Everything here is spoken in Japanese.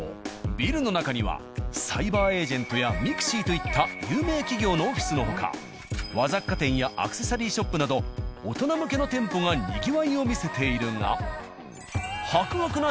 ビルの中には「サイバーエージェント」や「ＭＩＸＩ」といった有名企業のオフィスの他和雑貨店やアクセサリーショップなど大人向けの店舗がにぎわいを見せているが。